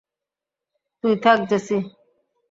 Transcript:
তুই থাক জেসি।